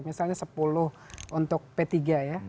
misalnya sepuluh untuk p tiga ya